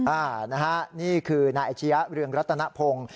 อ่านะฮะนี่คือนายอาชียะเรืองรัตนพงศ์